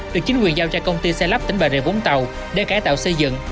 được chính quyền giao cho công ty xây lắp tỉnh bà rịa vũng tàu để cải tạo xây dựng